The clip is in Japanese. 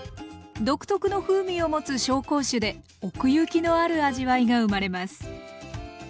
独特の風味を持つ紹興酒で奥行きのある味わいが生まれます。